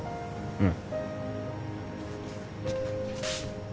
うん？